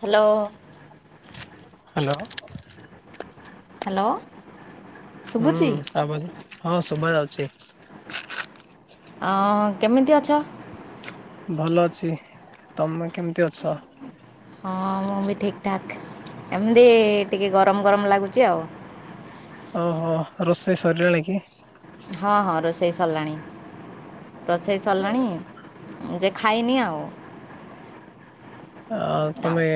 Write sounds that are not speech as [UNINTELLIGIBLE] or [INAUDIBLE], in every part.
Hello. Hello. Hello. ହୁଁ ଶୁଭୁଛି? ତାପରେ ହଁ ଶୁବା ଯାଉଚି। ଅ କେମିତି ଅଛ? ଭଲ ଅଛି ତମେ କେମିତି ଅଛ? ହଁ ମୁଁ ବି ଠିକ୍ ଠାକ୍ ଏମିତି ଟିକେ ଗରମ ଗରମ ଲାଗୁଚି ଆଉ। ଅ ହ ରୋଷେଇ ସରିଲାଣି କି? ହଁ ହଁ ରୋଷେଇ ସରିଲାଣି। ରୋଷେଇ ସରିଲାଣି ମୁଁ ଯେ ଖାଇନି ଆଉ। ଆଉ ତମେ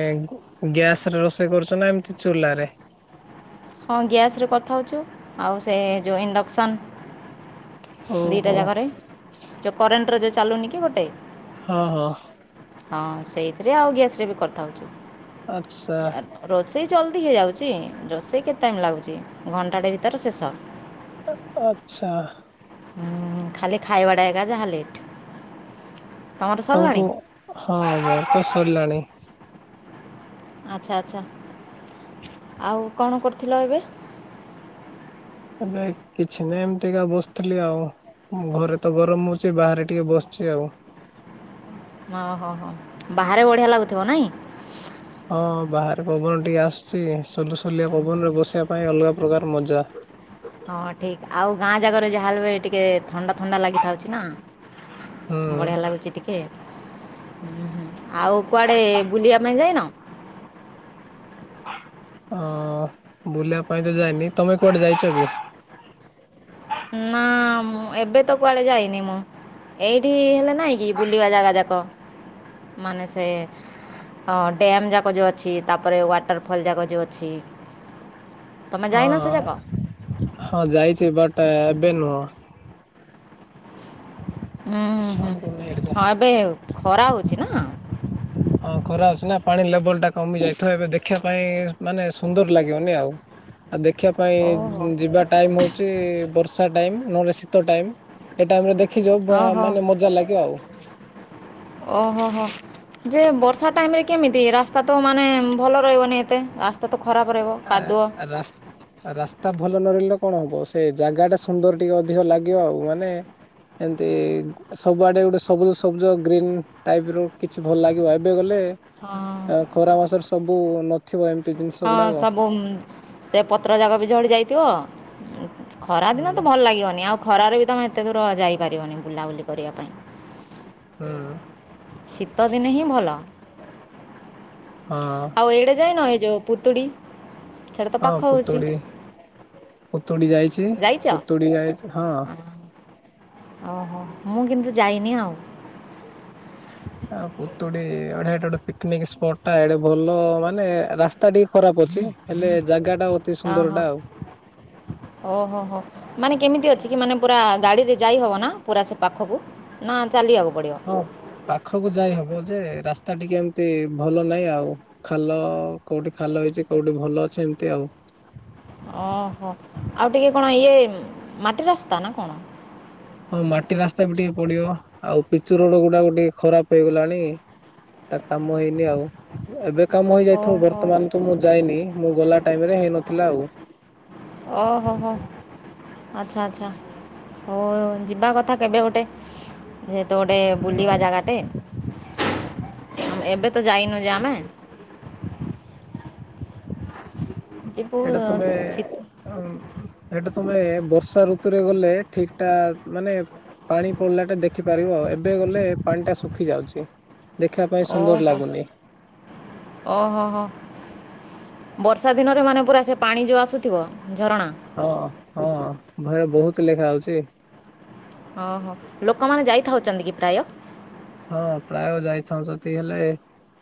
ଗ୍ୟାସ ରେ ରୋଷେଇ କରୁଚ ନା ଏମିତି ଚୁଲ ରେ? ହଁ ଗ୍ୟାସ୍ ରେ କଥା ହଉଚୁ ଆଉ ସେ ଯୋଉଁ ଇଣ୍ଡକ୍ସନ୍। ଦିଟା ଓହୋ ଜାଗାରେ ଯୋଉ କରେଣ୍ଟରେ ଯୋଉଁ ଚାଲୁନି କି ଗୋଟେ? ହଁ ହଁ ହଁ ସେଇଥିରେ ଆଉ ଗ୍ୟାସରେ ବି କଥା ହଉଛୁ। ଆଚ୍ଛା ରୋଷେଇ ଜଲ୍ଦି ହେଇଯାଉଛି ରୋଷେଇ କେତେ ଟାଇମ ଲାଗୁଛି ଘଣ୍ଟାଟେ ଭିତରେ ଶେଷ। ଆଚ୍ଛା ହ ଖାଲି ଖାଇବାଟା ଏକା ତାହାଲେ ତାଙ୍କୁ ହଁ ମୋର ତ ସରିଲାଣି। ଆଚ୍ଛା ଆଚ୍ଛା ଆଉ କଣ କରୁଥିଲ ଏବେ? ଏବେ କିଛି ନାହିଁ ଏମିତିକା ବସିଥିଲି ଆଉ। ମୁଁ ଘରେ ତ ଗରମ ହଉଛି ବାହାରେ ଟିକେ ବସିଛି ଆଉ। ଓହୋ ହୋ ବାହାରେ ବଢ଼ିଆ ଲାଗୁଥିବ ନାଇଁ। ହଁ ବାହାରେ ପବନ ଟିକେ ଆସୁଛି ସଲୁସଲିଆ ପବନ ରେ ବସିବା ପାଇଁ ଅଲଗା ପ୍ରକାର ମଜା। ହଁ ଠିକ୍ ଆଉ ଗାଁ ଜାଗାରେ ଯାହା ବି ଏବେ ଥଣ୍ତା ଥଣ୍ତା ଲାଗିତେ ଅଛି ନାଁ। ହୁଁ ବଢ଼ିଆ ଲାଗୁଛି ଟିକେ। ଆଉ କୁଆଡେ ବୁଲିବା ପାଇଁ ଯାଇନ? ହଁ ବୁଲିବା ପାଇଁ ତ ଯାଇନି ତମେ କୁଆଡ଼େ ଯାଇଛ କି? ନା ମୁଁ ଏବେ ତ କୁଆଡ଼େ ଯାଇନି ମୁଁ ଏଇଠି ହେଲେ ନାହିଁ କି ବୁଲିବା ଜାଗା ଯାକ ମାନେ ସେ ହଁ ଡ୍ୟମ୍ ଯାକ ଯେଉଁ ଅଛି ତାପରେ ୱାଟରଫଲ୍ ଯାକ ଯେଉଁ ଅଛି। ତମେ ଯାଇନ ସେ ଯାକ? ହଁ ହଁ ଯାଇଛି ବଟ ଏବେ ନୁହଁ। ଉୁଁ ହୁଁ ହୁଁ ହଁ ଏବେ ଖରା ହଉଛି ନା। ହଁ ଖରା ଅଛି ନା ପାଣି ଲେବଲ ଟା କମି ଯାଇ ତ ଏବେ ଦେଖିବା ପାଇଁ ମାନେ ସୁନ୍ଦର ଲାଗିବନି ଆଉ। ଆଉ ଦେଖିବା ପାଇଁ ଓହୋ ହୋ ଯିବା ଟାଇମ ହଉଛି ବର୍ଷା ଟାଇମ ନହେଲେ ଶୀତ ଟାଇମ ଏ ଟାଇମ ରେ ଦେଖିଯ ଓହୋ ମାନେ ମଜା ଲାଗିବ ଆଉ। ଓହୋ ହୋ ଯେ ବର୍ଷା ଟାଇମ ରେ କେମିତି ରାସ୍ତା ତ ମାନେ ଭଲ ରହିବନି ଏତେ ଆ ତ ତ ଖରାପ ରହିବ ଆ କାଦୁଅ ରାସ୍ ରାସ୍ତା ଭଲ ନ ରିଲେ କଣ ହବ ସେ ଜାଗା ଟା ସୁନ୍ଦର ଟିକେ ଅଧିକ ଲାଗିବ। ଆଉ ମାନେ ଏତି ସବୁଆଡେ ଗୋଟେ ସବୁଜ ସବୁଜ ଗ୍ରୀନ୍ ଟାଇପ ର କିଛି ଭଲ ଲାଗିବ। ଏବେ ଗଲେ ହଁ ଆ ଖରା ମାସରେ ସବୁ ନଥିବ ଏମିତି ଜିନିଷ ହଁ ଗୁଡାକ। ସବୁ ସେ ପତ୍ର ଯାକ ବି ଝଡ଼ି ଯାଇଥିବ ଖରା ହୁଁ ଦିନ ତ ଭଲ ଲାଗିବନି ଆଉ ଖରାରେ ବି ତମେ ଏତେ ଦୂର ଯାଇପାରିବନି ବୁଲାବୁଲି କରିବା ପାଇଁ। ହୁଁ ଶୀତ ଦିନେ ହିଁ ଭଲ। ହଁ ଆଉ ଇଏରେ ଯାଇନ ଏ ଯୋଉ ପୂତୁଡ଼ି ହଁ ପୁତୁଡ଼ି। ପୁତୁଡ଼ି ଯାଇଛି। ଯାଇଛ ପୁତୁଡ଼ି ଯାଇ ହଁ। ଓହୋ ମୁଁ କିନ୍ତୁ ଯାଇନି ଆଉ। ଆଉ ପୁତୁଡି ଗୋଟେ ପିକନିକ୍ ସ୍ପଟ୍ ଟା ଭଲ ମାନେ ରାସ୍ତା ଟିକେ ଖରାପ ଅଛି। ହେଲେ ଜାଗା ଟା ଅତି ଅ ସୁନ୍ଦର ହଁ ଟା ଆଉ। ଓହୋ ହୋ ମାନେ କେମିତି ଅଛି କି ମାନେ ପୁରା ଗାଡିରେ ଯାଇ ହବ ନା ପୁରା ସେ ପାଖକୁ ନା ଚାଲିଆକୁ ପଡିବ? ହଁ ପାଖକୁ ଯାଇ ହବ ଯେ ରାସ୍ତା ଟିକେ ଏମିତି ଭଲ ନାହିଁ ଆଉ। ଖାଲ କୋଉଠି ଖାଲ ହେଇଛି କୋଉଠି ଭଲ ଅଛି ଏମିତି ଆଉ। ଅ ହୋ। ଆଉ ଟିକେ କଣ ଇଏ ମାଟି ରାସ୍ତା ନା କଣ? ହଁ ମାଟି ରାସ୍ତା ବି ଟିକେ ପଡିବ ଆଉ ପିଚୁ ରୋଡ ଗୁଡାକ ଟିକେ ଖରାପ ହେଇଗଲାଣି। ତା କାମ ହେଇନି ଆଉଏବେ କାମ ହେଇଯାଇଥିବ ଓହୋ ବର୍ତ୍ତମାନ ତ ମୁଁ ଯାଇନି ମୁଁ ଗଲା ଟାଇମ୍ ରେ ହେଇନଥିଲା ଆଉ। ଓହୋ ହୋ ହୋ। ଆଛା ଆଛା ହଉ ଯିବା କଥା କେବେ ଗୋଟେ। ଯେହେତୁ ଗୋଟେ ବୁଲିବା ଜାଗାଟେ ଏବେ ତ ଯାଇନୁ ଯେ ଆମେ [UNINTELLIGIBLE] ସେଇଟା ତୁମେ ଶୀତ ଆଉ ଏଇଟା ତମେ ବର୍ଷା ଋତୁରେ ଗଲେ ଠିକ୍ ଟା ମାନେ ପାଣି ପଡ଼ିଲାଟା ଦେଖିପାରିବ ଏବେ ଗଲେ ପାଣିଟା ଶୁଖି ଯାଉଛି। ଦେଖିବା ପାଇଁ ସୁନ୍ଦର ଓହୋ ଲାଗୁନି ଓ ହୋ ହୋ। ବର୍ଷା ଦିନରେ ମାନେ ପୁରା ସେ ପାଣି ଯୋଉ ଆସୁଥିବ ଝରଣା। ହଁ ହଁ ଭାଇ ର ବୋହୁତ ଲେଖା ଆଉଚି। ଓହୋ ଲୋକମାନେ ଯାଇଥାଉଛନ୍ତି କି ପ୍ରାୟ। ହଁ ପ୍ରାୟ ଯାଇଥାଉଚନ୍ତି ହେଲେ।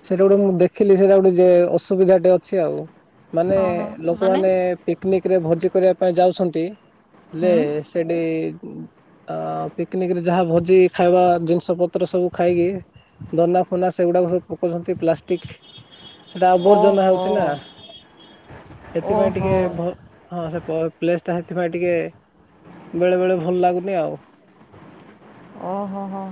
ସେଟା ଗୋଟେ ମୁଁ ଦେଖିଲି ସେଟା ଗୋଟେ ଯେ ଅସୁବିଧା ଟେ ଅଛି ଆଉ ମାନେ ଓହୋ ମାନେ ଲୋକମାନେ ପିକନିକ୍ ରେ ଭୋଜି କରିବା ପାଇଁ ଯାଉଛନ୍ତି ହେଲେ ହୁଁ ସେଇଠି ଆ ପିକନିକ୍ ରେ ଯାହା ଭୋଜି ଖାଇବା ଜିନିଷ ପତ୍ର ସବୁ ଖାଇକି ଦନା ଫନା ସେଗୁଡ଼ାକ ସବୁ ପକାଉଛନ୍ତି ପ୍ଲାଷ୍ଟିକ୍ ସେଇଟା ଆବର୍ଜନା ଓହୋ ହୋଉଚି ନା। ସେଥିପାଇଁ ଓହୋ ଟିକେ ଭ ହଁ ପ୍ଳ ପ୍ଲେସ୍ ଟା ସେଥିପାଇଁ ଟିକେ ବେଳେ ବେଳେ ଭଲ ଲାଗୁନି ଆଉ। ଓହୋ ହୋ ହୋ।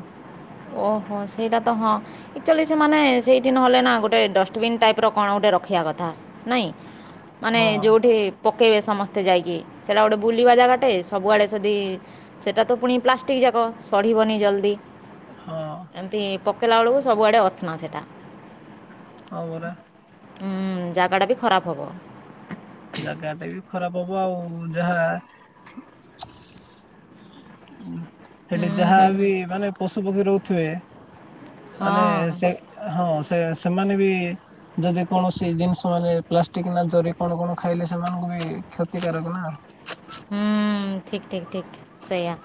ଓହୋ ସେଇଟା ତ ହଁ। ଆକୁଚୁଆଲି ସେମାନେ ସେଇଠି ନେଲେନା ଗୋଟେ ଡଷ୍ଟପିନ୍ ଟାଇପିର କଣ ଗୋଟେ ରଖିବା କଥା ନାଇଁ। ମାନେ ହଁ ଯୋଉଠି ପକେଇବେ ସମସ୍ତେ ଯାଇକି ସେଇଟା ଗୋଟେ ବୁଲିବା ଜାଗା ଟେ ସବୁଆଡ଼େ ଯଦି ସେଟା ତ ପୁଣି ପ୍ଲାଷ୍ଟିକ୍ ଯାକ ସଢିବନି ଜଲ୍ଦି। ହଁ। ଏମିତି ପକେଇଲା ବେଳକୁ ସବୁଆଡ଼େ ଅସନା ସେଇଟା। ହଁ ପରା। ହୁଁ ଜାଗା ଟା ବି ଖରାପ୍ ହବ। ଜାଗା ଟା ବି ଖରାପ ହବ ଆଉ ଯାହା ହୁଁ ସେଠି ଯାହା ହୁଁ ହୁଁ ବି ମାନେ ପଶୁ, ପକ୍ଷୀ ରହୁଥିବେ ମାନେ ହଁ ସେ ହଁ ସେଇଆ ସେମାନେ ବି ଯଦି କୌଣସି ଜିନିଷ ମାନେ ପ୍ଲାଷ୍ଟିକ ନା ଜରି କଣ କଣ ଖାଇଲେ ସେମାନଙ୍କୁ ବି କ୍ଷତିକାରକ ନା। ହୁଁ ଠିକ୍ ଠିକ୍ ଠିକ୍ ସେଇଆ।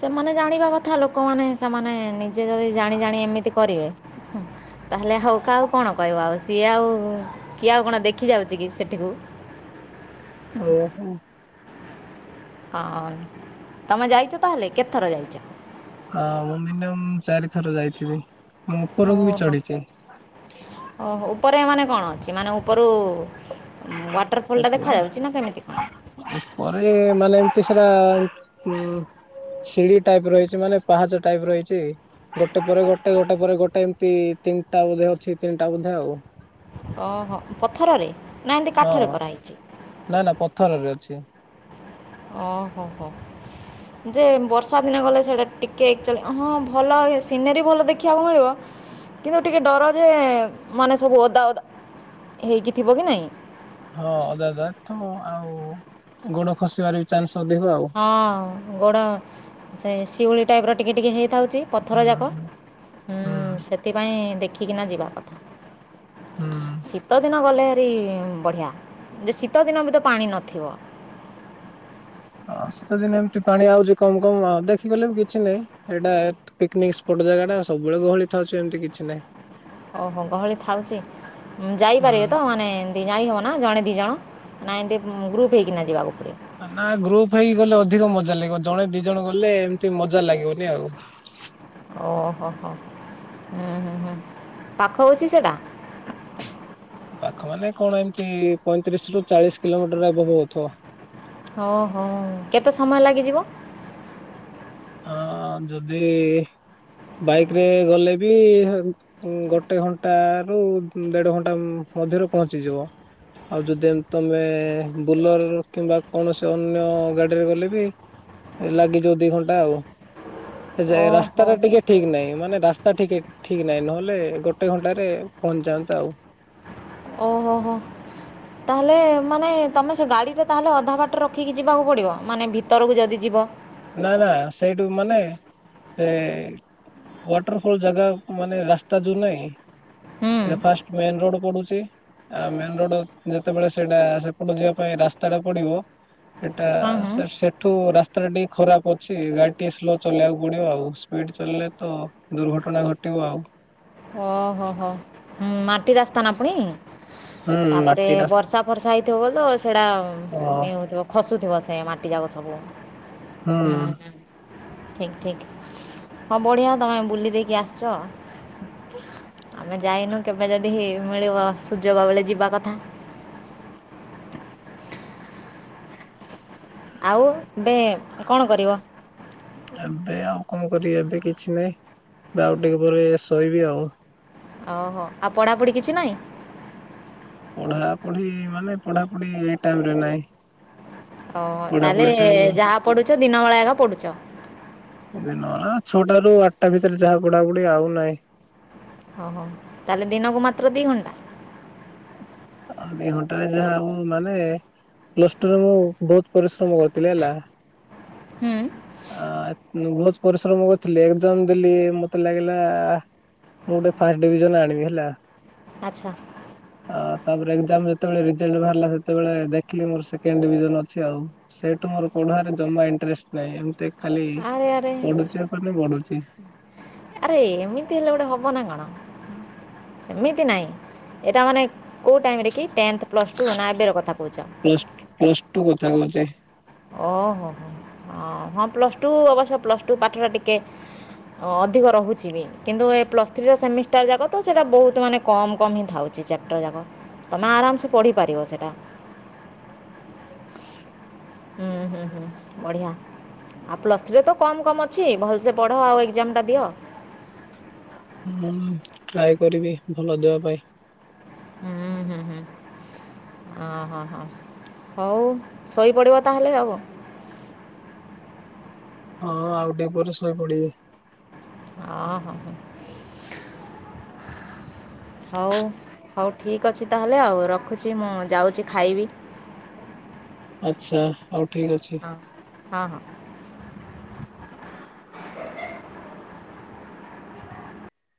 ସେମାନେ ଜାଣିବା କଥା ଲୋକମାନେ ସେମାନେ ନିଜେ ଯଦି ଜାଣି ଜାଣି ଏମିତି କରିବେ ତାହେଲେ ହୋଉ କାହକୁ କଣ କହିବ ଆଉ ସିଏ ଆଉ କିଏ ଆଉ କଣ ଦେଖି ଯାଉଛି କି ସେଠିକୁ। ଓହୋ। ଅଁ, ତୋମେ ଯାଇଛ ତାହେଲେ କେତେଥର ଯାଇଚ? ହଁ ମୁଁ ମିନିୟମ ଚାରି ଥର ଯାଇଥିବି। ମୁଁ ଉପରକୁ ବି ଓହୋ। ଚଢିଛି ଓହୋ, ଉପରେ ମାନେ କଣ ଅଛି? ମାନେ ଉପରୁ ଉଁ, ୱା ଟରଫଲ୍ ଟା ଉପରେ ଦେଖାଯାଉଛି ନା କେମିତି କଣ? ଉପରେ ମାନେ ଏମିତି ସେଟା ଉଁ, ସିଡିି ଟାଇପ୍ ରହିଛି ମାନେ ପାହାଚ ଟାଇପ୍ ରହିଛି। ଗୋଟେ ପରେ ଗୋଟେ ଗୋଟେ ପରେ ଗୋଟେ ଏମିତି ତିନିଟା ବୋଧେ ଅଛି ତିନିଟା ବୋଧେ ଆଉ। ଓହୋ, ପଥରରେ ନା ଏମିତି କାଠରେ ହଁ। କରାହେଇଛି? ନା ନା ପଥରରେ ଅଛି। ଓ ହୋ ହୋ। ହ [INAUDIBLE] ଯେ ବର୍ଷା ଦିନ ଗଲେ ସେଇଟା ଟିକିଏ ଏକ୍ଚଲି ହଁ ଭଲ ବି ସିନେରୀ ଭଲ ଦେଖିବାକୁ ମିଳିବ। କିନ୍ତୁ ଟିକେ ଡର ଯେ ମାନେ ସବୁ ଓଦାଓଦା ହେଇକି ଥିବ କି ନାଇଁ? ହଁ ଓଦା ଓଦା ତ ଆଉ ଗୋଡ ଖସିବାର ବି ଚାନ୍ସ ଅଧିକ ଆଉ। ହଁ ଗୋଡ ସେଇ ଶିଉଳି ଟାଇପ୍ ର ଟିକେ ଟିକେ ହେଇଥାଉଛି ହୁଁ ପଥର ଯାକ। ହୁଁ ହୁଁ, ହୁଁ ସେ ଥିପାଇଁ ଦେଖିକିନା ଯିବା କଥା। ହୁଁ ଶୀତ ଦିନ ଗଲେ ସେଇ ବଢ଼ିଆ ଯେ ଶୀତଦିନ ବି ତ ପାଣି ନଥିବ। ଅ, ଶୀତଦିନ ଏମତି ପାଣି ଆଉଛି କମ କମ ଆ, ଦେଖିଗଲେ ବି କିଛି ନାହିଁ। ଏଇଟା ପିକନିକ୍ ସ୍ପଟ୍ ଜାଗା ଟା ସବୁବେଳେ ଗହଳି ଥାଉଛି ଏମିତି କିଛି ନାହିଁ। ଓହୋ, ଗହଳି ଥାଉଚି ଉଁ, ଯାଇପାରିବେ ହୁଁ ତ ମାନେ ଏ ଯାଇ ହବ ନା ଜଣେ ଦି ଜଣ ନା ଏମିତି ଉଁ, ଗ୍ରୁପ୍ ହେଇକିନା ଯିବାକୁ ପଡ଼ିବ? ଅ, ନା ଗ୍ରୁପ୍ ହେଇକି ଗଲେ ଅଧିକ ମଜା ଲାଗିବ। ଜଣେ ଦି ଜଣ ଗଲେ ଏମିତି ମଜା ଲାଗିବନି ଆଉ। ଓହୋ, ହୋ ଉଁ, ହୁଁ, ହୁଁ ପାଖ ହୋଉଛି ସେଟା? ପାଖ ମାନେ କଣ ଏମତି ପଇଁତିରିଶ ରୁ ଚାଳିଶ କିଲୋମିଟର [UNINTELLIGIBLE] ଓହୋ, କେତେ ସମୟ ଲାଗିଯିବ? ଅ, ଯଦି ବାଇକ୍ ରେ ଗଲେ ବି ସେମତି ଇ, ଗୋଟେ ଘଣ୍ଟା ରୁ ଉଁ, ଦେଢ ଘଣ୍ଟା ଉଁ, ମଧ୍ୟରେ ପହଞ୍ଚିଯିବ। ଆଉ ଯଦି ଏମ ତୋମେ ବୋଲର ରୁ କିମ୍ବା କୌଣସି ଅନ୍ୟ ଗାଡିରେ ଗଲେ ବି ଲାଗିଯିବ ଦି ଘଣ୍ଟା ଆଉ। ଯେ ଓହୋ ରାସ୍ତାରେ ଟିକେ ଠିକ୍ ନାହିଁ ମାନେ ରାସ୍ତା ଟିକେ ଠିକ୍ ନାହିଁ, ନହେଲେ ଗୋଟେ ଘଣ୍ଟାରେ ପହଞ୍ଚିଯାନ୍ତା ଆଉ। ଓହୋ, ହୋ ତାହେଲେ ମାନେ ଏ ତୋମେ ସେ ଗାଡ଼ିରେ ତାହେଲେ ଅଧା ବାଟରେ ରଖିକି ଯିବାକୁ ପଡିବ ମାନେ ଭିତରକୁ ଯଦି ଯିବ? ନା ନା ସେଇଠୁ ମାନେ ଏ ୱାଟରଫଲ୍ ଜାଗା ମାନେ ରାସ୍ତା ଯୋଉ ନାହିଁ? ହୁଁ ଏଇଟା ଫାଷ୍ଟ ମେନ୍ ରୋଡ୍ ପଡୁଛି। ଆ, ମେନ୍ ରୋଡ୍ ଯେତେବେଳେ ସେଇଟା ସେପଟ ଯିବା ପାଇଁ ରାସ୍ତା ଟା ପଡିବ ଏଟା ହଁ ହଁ। ସେ ସେଠୁ ରାସ୍ତାଟା ଟିକେ ଖରାପ ଅଛି ଗାଡ଼ି ଟିକେ ସ୍ଲୋ ଚଲେଇଆକୁ ପଡ଼ିବ ଆଉ। ସ୍ପିଡ଼୍ ଚଲିଲେ ତ ଦୁର୍ଘଟଣା ଘଟିବ ଆଉ। ଓ ହୋ ହୋ। ମୁଁ ମାଟି ରାସ୍ତା ନା ପୁଣି। ହୁଁ ତାପରେ ମାଟି ରାସ୍ତା ବର୍ଷା ଫର୍ଷା ହେଇଥିବ ବୋଲି ତ ସେଇଟା ହଁ। ଇଏ ହଉଥିବ ଖସୁଥିବ ସେ ମାଟି ଯାକ ସବୁ ଉଁ, ହୁଁ,। ଠିକ୍ ଠିକ୍ ହଁ ବଢିଆ ତମେ ବୁଲି ଦେଇକି ଆସିଛ। ଆମେ ଯାଇନୁ କେବେ ଯଦି ମିଳିବ ସୁଯୋଗ ବେଳେ ଯିବା କଥା। ଆଉ ଏବେ କଣ କରିବ? ଏବେ ଆଉ କଣ କରିବି ଏବେ କିଛି ନାହିଁ ବା ଆଉ ଟିକେ ପରେ ଶୋଇବି ଆଉ। ଓହୋ ଆଉ ପଢାପଢି କିଛି ନାହିଁ। ପଢା ପଢି ମାନେ ପଢାପଢି ଏଇ ଟାଇମ ରେ ନାହିଁ। ଓ ତାହେଲେ ପଢାପଢି ଟାଇମ ଯାହା ପଡୁଛ ଦିନ ବେଳା ଆଗ ପଡୁଚ। ଦିନ ଆନ ଛଅଟା ରୁ ଆଟ୍ଟା ଭିତରେ ଯାହା ବୁଡାପୁଢି ଆଉ ନାହିଁ। ଓହୋ ତାହେଲେ ଦିନକୁ ମାତ୍ର ଦି ଘଣ୍ଟା। ଆ ଦି ଘଣ୍ଟା ଯାହା ମୁଁ ମାନେ ପ୍ଲସ୍ ଟୁ ରେମୁଁ ବୋହୁତ ପରିଶ୍ରମ କରିଥିଲି ହେଲା। ହୁଁ ଆ ବୋହୁତ ପରିଶ୍ରମ କରିଥିଲି ଏକ୍ଜାମ ଦେଲି ମତେ ଲାଗିଲା ମୁଁ ଗୋଟେ ଫାଷ୍ଟ ଡିଭିଜନ ଆଣିବି ହେଲା। [UNINTELLIGIBLE] ଆଉ ତାପରେ ଏକ୍ଜାମ୍ ଯେତେବେଳେ ରେଜାଲ୍ଟ ବାହାରିଲା ସେତେବେଳେ ଦେଖିଲି ମୋର ସେକେଣ୍ଡ ଡିଭିଜନ ଅଛି ଆଉ। ସେଇଟୁ ମୋର ପଢାଆରେ ଜମା ଇଣ୍ଟେରେଷ୍ଟ୍ ନାହିଁ ଏମିତି ଖାଲି ଆରେ ଆରେ ପଢୁଚି ବଢୁଚି। ଆରେ ଏମିତି ହେଲେ ଗୋଟେ ହବ ନା କଣ ସେମିତି ନାହିଁ। ଏଟା ମାନେ କୋଉ ଟାଇମିରେ କି ଟେନ୍ଥେ ପ୍ଲସ ଟୁ ନା ଏବେ ରକଥା କୋହୁଚ। ପ୍ଲସ୍ ପ୍ଲସ୍ ଟୁ କଥା କୋହୁଚି। ଓ ହୋ ହୋ ହ ହଁ ପ୍ଲସ ଟୁ ଅବଶ୍ୟ ପ୍ଲସ ଟୁ ପାଠଟା ଟିକେ ଅ ଅଧିକ ରହୁଚି ବି କିନ୍ତୁ ଏ ପ୍ଲସ୍ ଥ୍ରୀର ସେମିଷ୍ଟାର ଯାକ ତ ସେଇଟା ବୋହୁତ ମାନେ କମ୍ କମ୍ ହିଁ ଥାଉଚି ଚାପ୍ଟର ଯାକ ତମେ ଆରାମସେ ପଢ଼ିପାରିବ ସେଇଟା। ହୁଁ ହୁଁ ହୁଁ ବଢ଼ିଆ। ଆଉ ପ୍ଲସ୍ ଥ୍ରୀରେ ତ କମ୍ କମ୍ ଅଛି ଭଲସେ ପଢ ଆଉ ଏକ୍ଜାମ ଟା ଦିଅ। ହୁଁ ଟ୍ରାଏ କରିବି ଭଲ ଦେବା ପାଇଁ। ହୁଁ ହୁଁ ହୁଁ ଓ ହୋ ହୋ। ହଉ ଶଇ ପଡିବ ତାହେଲେ ଆଉ। ହଁ ଆଉ ଟିକେ ପରେ ଶୋଇ ପଡିବି। ଅଁ ହୋ ହୋ। ହଉ ହଉ ଠିକ୍ ଅଛି ତାହେଲେ ଆଉ ରଖୁଚି ମୁଁ ଯାଉଚି ଖାଇବି। ଆଛା ହଉ ଠିକ୍ ଅଛି। ହ ହଁ ହଁ।